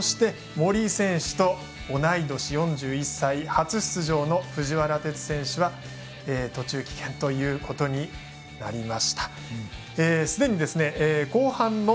森井選手と同い年４１歳、初出場の藤原哲選手は途中棄権ということになりました。